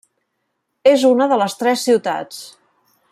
És una de les Tres Ciutats.